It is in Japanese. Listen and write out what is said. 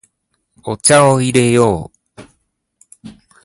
お茶を入れよう。